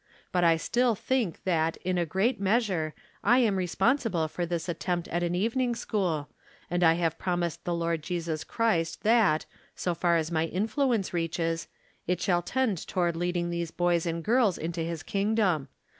But I still think that, in a great measure, I anl responsible for this attempt at an evening school, and I have promised the Lord Jesus Christ that, so far as my influence, reaches, it shall tend toward leading these boys and girls into his kipgdom.